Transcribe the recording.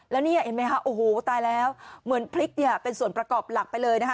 แล้วนี่เห็นไหมคะโอ้โหตายแล้วเหมือนพริกเนี่ยเป็นส่วนประกอบหลักไปเลยนะคะ